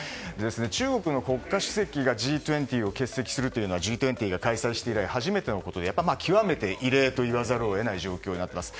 中国の国家主席がＧ２０を欠席するというのはＧ２０が開催して以来初めてのことで極めて異例と言わざるを得ない状況です。